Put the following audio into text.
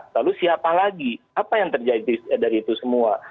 lalu siapa lagi apa yang terjadi dari itu semua